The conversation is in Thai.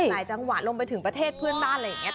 หลายจังหวัดลงไปถึงประเทศเพื่อนบ้านอะไรอย่างนี้